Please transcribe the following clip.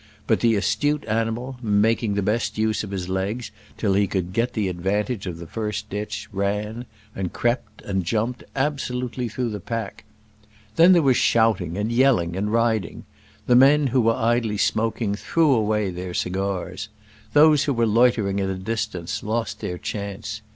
But the astute animal, making the best use of his legs till he could get the advantage of the first ditch, ran, and crept, and jumped absolutely through the pack. Then there was shouting, and yelling, and riding. The men who were idly smoking threw away their cigars. Those who were loitering at a distance lost their chance.